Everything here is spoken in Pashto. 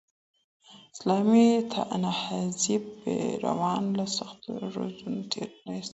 د اسلامي نهضت پیروان له سختو روزنو تېر نه سول.